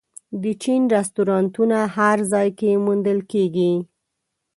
د چین رستورانتونه هر ځای کې موندل کېږي.